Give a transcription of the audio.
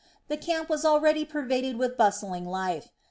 The camp was already pervaded with bustling life.